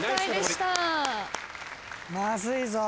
まずいぞ。